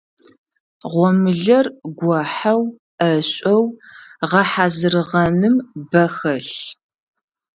Гъомылэр гохьэу, ӏэшӏоу гъэхьазырыгъэным бэ хэлъ.